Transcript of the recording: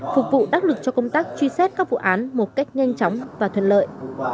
phục vụ đắc lực cho công tác truy xét các vụ án một cách nhanh chóng và thuận lợi